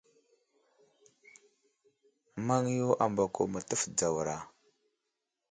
Maŋ yo ambako mətəf dzawra.